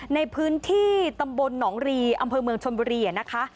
ในพื้นที่ตำบลหนองรีอำเภอเมืองชนบุรีนะคะ